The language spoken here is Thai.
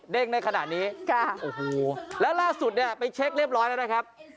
ได้ขนาดนี้ค่ะโอ้โหแล้วล่าสุดเนี่ยไปเช็คเรียบร้อยแล้วนะครับ